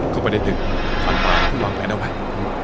เข้าไปได้ถึงทางหลังคุณบางแผ่นเอาไหม